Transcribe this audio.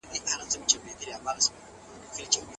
نن په ګودرونو کي د وینو رنګ کرلی دی